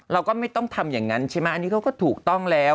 เราก็ไม่ต้องทำอย่างนั้นใช่ไหมอันนี้เขาก็ถูกต้องแล้ว